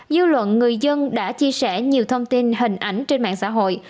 dư luận người dân đã chia sẻ nhiều thông tin hình ảnh trên mạng xã hội